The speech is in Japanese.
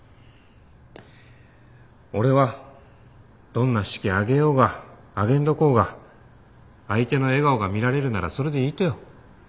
俺はどんな式挙げようが挙げんどこうが相手の笑顔が見られるならそれでいいとよ。